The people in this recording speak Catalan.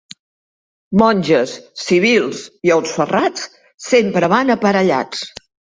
Monges, civils i ous ferrats sempre van aparellats.